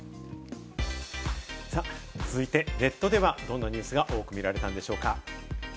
続いて、ネットではどんなニュースが多く見られたんでしょうか？